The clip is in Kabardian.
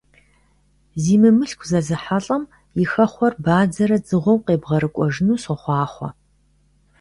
Зи мымылъку зэзыхьэлӀэм и хэхъуэр бадзэрэ дзыгъуэу къебгъэрыкӀуэжыну сохъуахъуэ!